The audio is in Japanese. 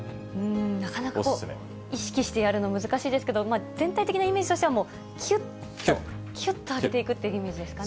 なかなか意識してやるの、難しいですけど、全体的なイメージとしては、もうきゅっ、きゅっと上げていくっていうイメージですかね。